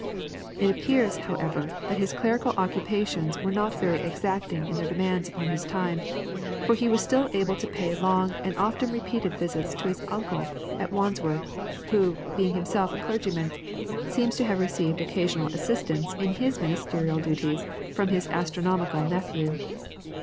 It appears, however, that his clerical occupations were not very exacting in their demands upon his time, for he was still able to pay long and often repeated visits to his uncle at Wandsworth, who, being himself a clergyman, seems to have received occasional assistance in his ministerial duties from his astronomical nephew.